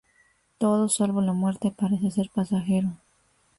Todo, salvo la muerte, parece ser pasajero.